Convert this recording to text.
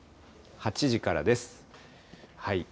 ８時からです。